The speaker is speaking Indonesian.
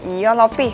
iya lah be